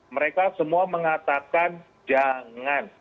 mereka semua mengatakan jangan